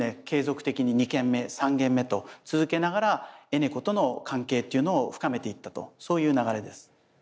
継続的に２件目３件目と続けながらＥｎｅｃｏとの関係というのを深めていったとそういう流れです。